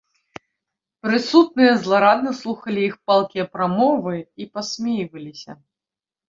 Прысутныя зларадна слухалі іх палкія прамовы і пасмейваліся.